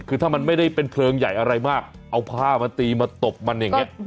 คือถ้ามันไม่ได้เป็นเพลิงใหญ่อะไรมากเอาผ้ามาตีมาตบมันอย่างนี้